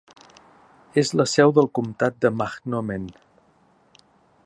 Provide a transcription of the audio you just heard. És la seu del comtat de Mahnomen.